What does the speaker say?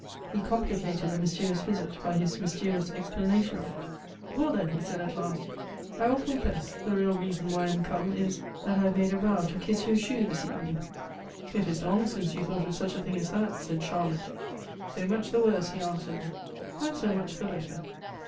He complicated the mj'sterious visit by his mysterious explanation of it. " Well, then," he said at last, " I will confess, the real reason why I am come is, that I have made a vow to kiss your shoe this evening." " It is long since you thought of such a tiling as that," said Charlotte. " So much the worse," he answered ;" and so much the better."